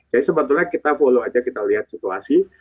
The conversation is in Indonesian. jadi sebetulnya kita follow aja kita lihat situasi